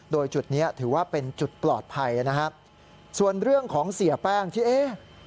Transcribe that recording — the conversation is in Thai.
โดยจุดนี้ถือว่าเป็นจุดปลอดภัยนะครับส่วนเรื่องของเสียแป้งที่เอ๊ะ